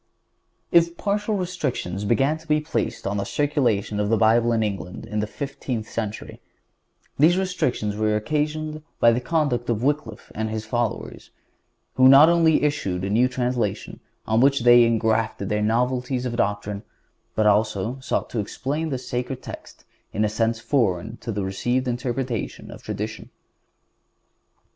(152) If partial restrictions began to be placed on the circulation of the Bible in England in the fifteenth century, these restrictions were occasioned by the conduct of Wycliffe and his followers, who not only issued a new translation, on which they engrafted their novelties of doctrine, but also sought to explain the sacred text in a sense foreign to the received interpretation of tradition.